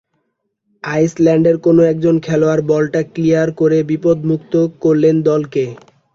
আইসল্যান্ডের কোনো একজন খেলোয়াড় বলটা ক্লিয়ার করে বিপদমুক্ত করলেন দলকে।